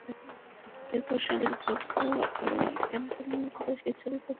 এরপর সঙ্গে যুক্ত অ্যান্টেনাগুলো সেই ছবি প্রক্রিয়াজাতকরণের জন্য স্মার্টফোনে পাঠিয়ে দিতে পারবে।